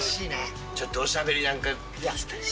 ちょっとおしゃべりなんかして。